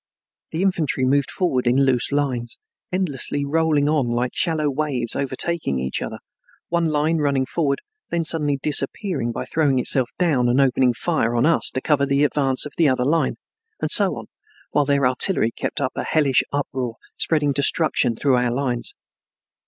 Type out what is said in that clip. The infantry moved forward in loose lines, endlessly rolling on like shallow waves overtaking each other, one line running forward, then suddenly disappearing by throwing itself down and opening fire on us to cover the advance of the other line, and so on, while their artillery kept up a hellish uproar spreading destruction through our lines.